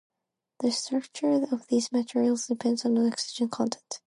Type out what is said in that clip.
The structure of these materials depends on the oxygen content.